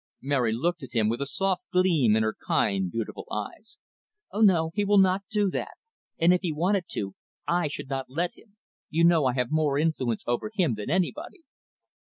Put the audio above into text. Mary looked at him, with a soft gleam in her kind, beautiful eyes. "Oh, no, he will not do that. And if he wanted to, I should not let him. You know, I have more influence over him than anybody."